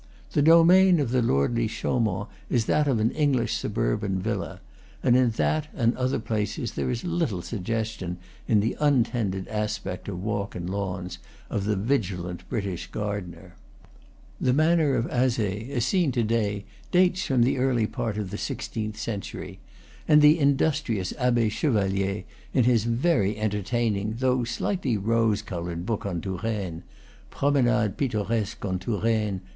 The domain of the lordly Chaumont is that of an English suburban villa; and in that and in other places there is little suggestion, in the untended aspect of walk and lawns, of the vigilant British gardener. The manor of Azay, as seen to day, dates from the early part of the sixteenth century; and the industrious Abbe Chevalier, in his very entertaining though slightly rose colored book on Touraine,* (* Promenades pittoresque en Touraine.